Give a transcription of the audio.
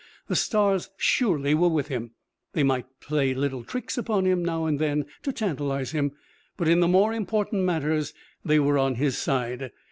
The stars surely were with him. They might play little tricks upon him now and then to tantalize him, but in the more important matters they were on his side.